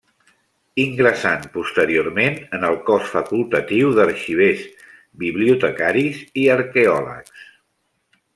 Ingressant posteriorment en el Cos Facultatiu d'Arxivers, Bibliotecaris i Arqueòlegs.